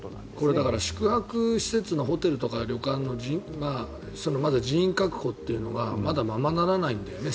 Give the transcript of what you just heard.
だから、宿泊施設のホテルとか旅館とかの人員確保というのがまだ、ままならないんだよね。